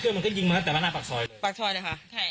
เพื่อนมันก็ยิงมาตั้งแต่บ้านหน้าปากซอยปากซอยแหละค่ะใช่